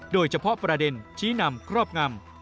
โดยเฉพาะประเด็นชี้นำครอบงำ